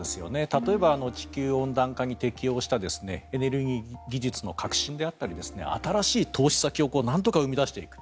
例えば地球温暖化に適用したエネルギー技術の革新であったり新しい投資先をなんとか生み出していく。